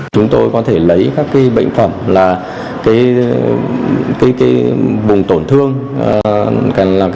chúng tôi có thể lấy các bệnh phẩm là bùng tổn thương nốt phỏng da ở ngoài da của bệnh nhân nghi đậu mùa khỉ